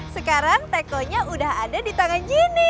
sekarang tekonya udah ada di tangan gini